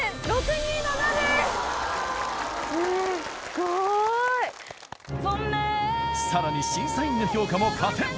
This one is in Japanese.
すごい！更に審査員の評価も加点。